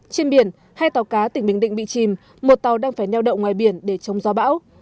trên biển hai tàu cá tỉnh bình định bị chìm một tàu đang phải neo đậu ngoài biển để chống gió bão